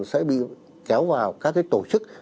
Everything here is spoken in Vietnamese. sẽ bị kéo vào các tổ chức